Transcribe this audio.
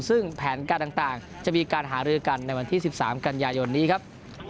ซึ่งแผนการต่างจะมีการหารือกันในวันที่๑๓กันยายนนี้ครับ